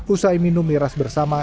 usai minum miras bersama